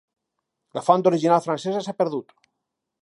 La font original francesa s'ha perdut.